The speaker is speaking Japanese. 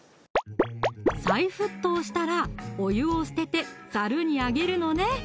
再沸騰したらお湯を捨ててザルにあげるのね